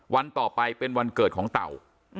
วันต่อไปเป็นวันเกิดของเต่า